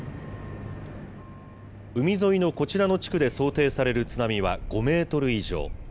海沿いのこちらの地区で想定される津波は５メートル以上。